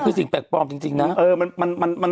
คือสิ่งแปลกปลอมจริงนะ